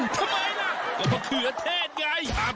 ทำไมล่ะก็มะเขือเทศไง